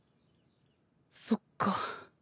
そっか。